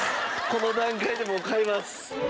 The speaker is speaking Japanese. この段階でもう買います。